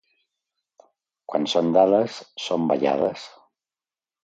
Quan són dades, són ballades.